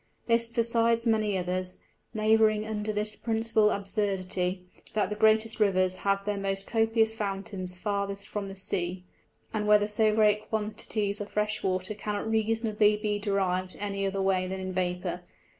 This, besides many others, labouring under this principal Absurdity, that the greatest Rivers have their most copious Fountains farthest from the Sea, and whether so great quantities of fresh Water cannot reasonably be deriv'd any other way than in Vapour.